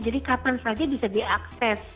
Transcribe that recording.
jadi kapan saja bisa diakses